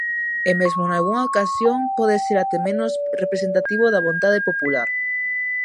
E mesmo nalgunha ocasión pode ser até menos representativo da vontade popular.